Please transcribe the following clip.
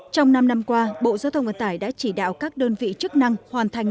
trong năm năm qua bộ giao thông ngoại tải đã chỉ đạo các đơn vị chức năng hoàn thành